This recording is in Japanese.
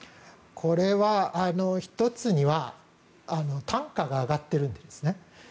これは１つには単価が上がっているんですね。